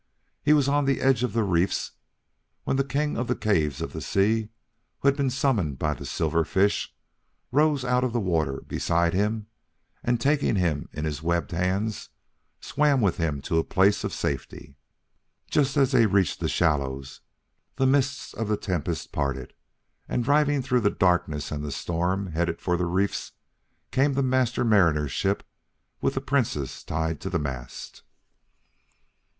He was on the edge of the reefs when the King of the Caves of the Sea, who had been summoned by the silver fish, rose out of the water beside him, and taking him in his webbed hands, swam with him to a place of safety. Just as they reached the shallows, the mists of the tempest parted, and driving through the darkness and the storm, headed for the reefs, came the Master Mariner's ship with the Princess tied to the mast.